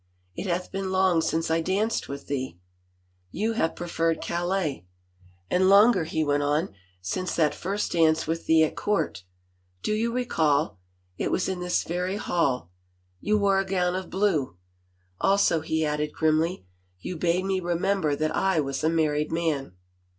" It hath been long since I danced with thee." " You have preferred Calais." " And longer," he went on, " since that first dance with thee at court —• do you recall ? It was in this very hall. ... You wore a gown of blue. Also," he added grimly, "you bade me remember that I was a married man!